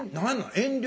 遠慮？